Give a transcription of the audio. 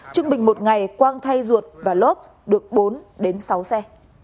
trung bình một ngày quang thay ruột và lốp được bốn đến sáu xe